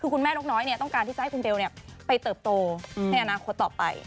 คือคุณแม่นกน้อยต้องการที่จะให้คุณเบลไปเติบโตในอนาคตต่อไป